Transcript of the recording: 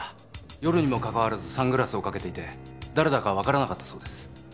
夜にもかかわらずサングラスをかけていて誰だかわからなかったそうです。